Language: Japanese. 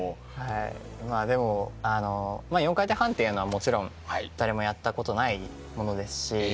でも４回転半というのはもちろん誰もやったことないものですし。